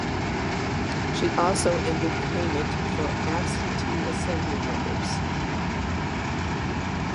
She also ended payment for absentee Assembly members.